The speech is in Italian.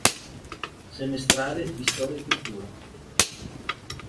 Semestrale di storia e cultura".